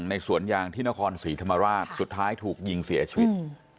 สวนยางที่นครศรีธรรมราชสุดท้ายถูกยิงเสียชีวิต